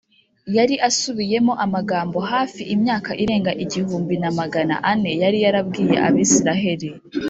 ” Yari asubiyemo amagambo, hafi imyaka irenga igihumbi na magana ane yari yarabwiye Abisiraheli